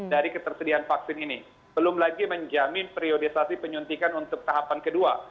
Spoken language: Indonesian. dari ketersediaan vaksin ini belum lagi menjamin periodisasi penyuntikan untuk tahapan kedua